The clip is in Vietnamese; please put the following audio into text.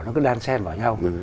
nó cứ đan xen vào nhau